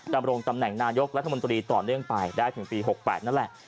ดำรงตำแหน่งนายกรัฐมนตรีต่อเนื่องไปได้ถึงปี๖๘นั่นแหละ